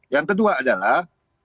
yang kedua adalah